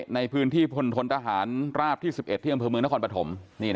ในพื้นที่พลทนทหารราบที่๑๑ที่อำเภอเมืองนครปฐม